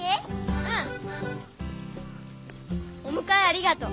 うん。おむかえありがとう。